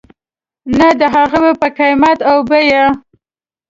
نه د هغوی په قیمت او بیې .